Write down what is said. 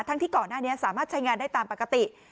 ที่ก่อนหน้านี้สามารถใช้งานได้ตามปกติ